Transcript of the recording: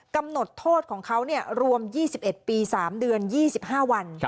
กำหนดโทษของเขารวม๒๑ปี๓เดือน๒๕วัน